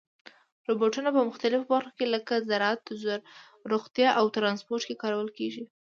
روبوټونه په مختلفو برخو کې لکه زراعت، روغتیا او ترانسپورت کې کارول کېږي.